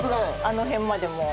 あの辺までもう。